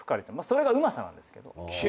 それがうまさなんですけど。